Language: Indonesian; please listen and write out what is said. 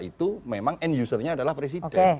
itu memang end usernya adalah presiden